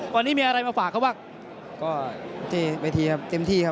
วันนี้มีอะไรมาฝากเขาบ้างก็ที่เวทีครับเต็มที่ครับ